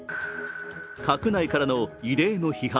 閣内からの異例の批判。